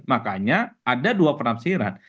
makanya ada dua penafsiran